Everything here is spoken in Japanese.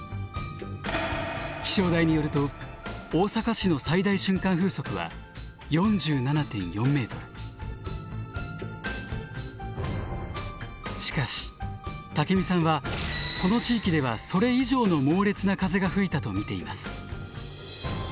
気象台によると大阪市のしかし竹見さんはこの地域ではそれ以上の猛烈な風が吹いたと見ています。